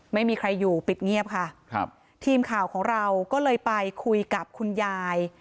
ไม่มีใครอยู่ปิดเงียบค่ะครับทีมข่าวของเราก็เลยไปคุยกับคุณยาย